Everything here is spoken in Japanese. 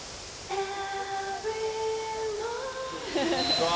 うわ！